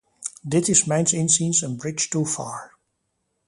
Dit is mijns inziens een bridge too far.